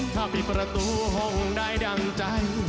ถ้าปิดประตูห้องได้ดั่งใจ